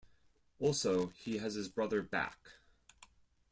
Also, he has his brother back.